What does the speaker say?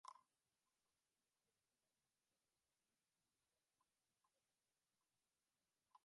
Se decía que la armonía del matrimonio se debía a la mutua comprensión.